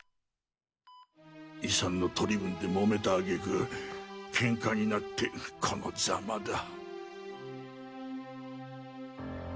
遺産の取り分でもめた挙句ケンカになってこのザマだ。